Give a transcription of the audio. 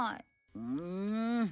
うん。